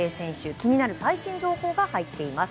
気になる最新情報が入っています。